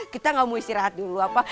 kita gak mau istirahat dulu apa